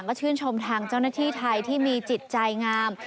ก็ชื่นชมทางเจ้าหน้าที่ไทยที่มีจิตใจงาม